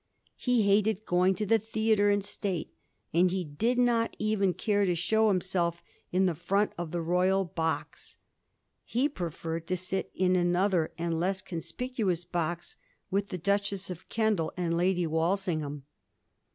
He hated going to the theatre in state, and he did not even care to show himself in the front of the royal box ; he preferred to sit in another and less conspicuous box with the Duchess of Kendal and Lady Walsingham.